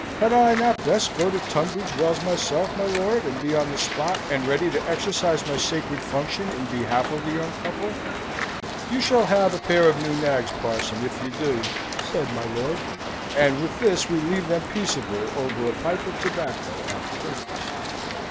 "Had I not best go to Tunbridge Wells myself, my lord, and be on the spot, and ready to exercise my sacred function in behalf of the young couple?" "You shall have a pair of new nags, parson, if you do," said my lord. And with this we leave them peaceable over a pipe of tobacco after breakfast.